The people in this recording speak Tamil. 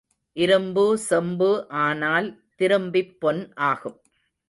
இரும்பு செம்பு ஆனால் திரும்பிப் பொன் ஆகும்.